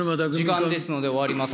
時間ですので、終わります。